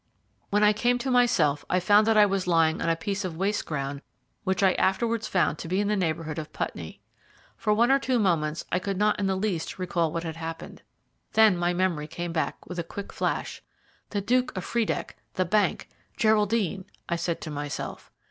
When I came to myself I found that I was lying on a piece of waste ground which I afterwards found to be in the neighbourhood of Putney. For one or two moments I could not in the least recall what had happened. Then my memory came back with a quick flash. "The Duke of Friedeck! The bank! Geraldine!" I said to myself.